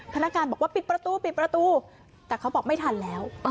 พนักงานบอกว่าปิดประตูปิดประตูแต่เขาบอกไม่ทันแล้ว